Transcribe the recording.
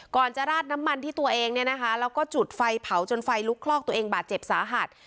จะราดน้ำมันที่ตัวเองเนี่ยนะคะแล้วก็จุดไฟเผาจนไฟลุกคลอกตัวเองบาดเจ็บสาหัส